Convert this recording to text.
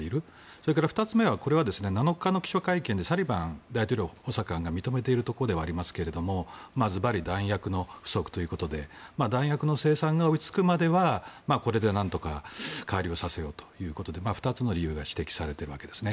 それから２つ目は７日の記者会見でサリバン大統領補佐官が認めているところではありますがずばり弾薬の不足ということで弾薬の生産が追いつくまではこれでなんとか代わりをさせようということで２つの理由が指摘されているわけですね。